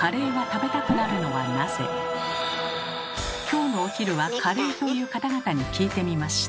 今日のお昼はカレーという方々に聞いてみました。